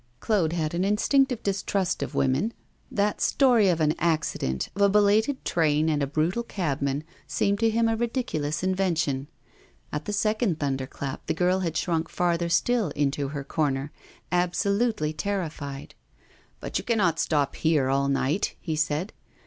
Claude had an instinctive distrust of women that story of an accident, of a belated train and a brutal cabman, seemed to him a ridiculous invention. At the second thunder clap the girl had shrunk farther still into her corner, absolutely terrified. 'But you cannot stop here all night,' he said.